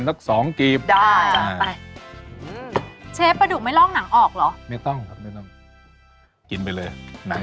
ถือว่าพ่อเราช่วยปลุ่ง